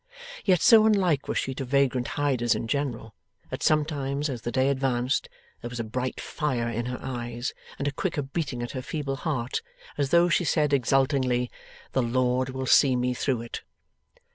Yet so unlike was she to vagrant hiders in general, that sometimes, as the day advanced, there was a bright fire in her eyes, and a quicker beating at her feeble heart, as though she said exultingly, 'The Lord will see me through it!